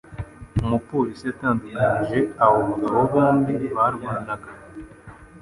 Umupolisi yatandukanije abo bagabo bombi barwanaga